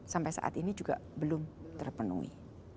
sampai saat ini juga belum terpenuhi